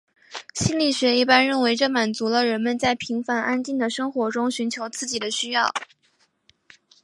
心理学一般认为这满足了人们在平凡安定的生活中寻求刺激的需要。